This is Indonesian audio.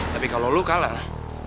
tapi kalau lo kalah